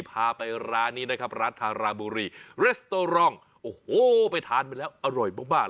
พาไปร้านนี้นะครับร้านทาราบุรีเรสโตรองโอ้โหไปทานไปแล้วอร่อยมากมาก